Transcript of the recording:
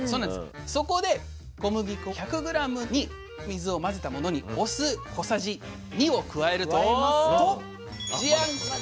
そこで小麦粉１００ｇに水を混ぜたものにお酢小さじ２を加えるとジャン！